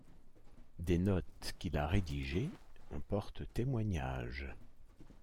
Des notes qu'il a rédigé en portent témoignage.